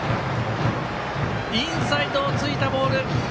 インサイドをついたボール。